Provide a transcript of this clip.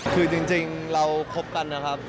คือจริงเราคบกันนะครับ